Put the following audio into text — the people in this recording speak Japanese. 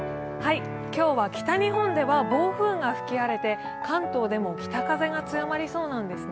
今日は北日本では暴風雨が吹き荒れて関東でも北風が強まりそうなんです。